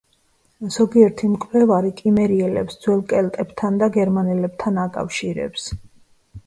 ზოგიერთი მკვლევარი კიმერიელებს ძველ კელტებთან და გერმანელებთან აკავშირებს.